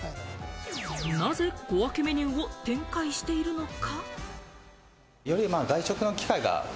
なぜ小分けメニューを展開しているのか？